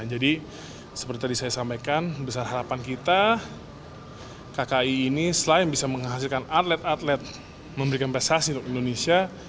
jadi seperti tadi saya sampaikan besar harapan kita kki ini selain bisa menghasilkan atlet atlet memberikan prestasi untuk indonesia